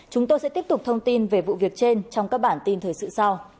chúng tôi sẽ tiếp tục thông tin về vụ việc trên trong các bản tin thời sự sau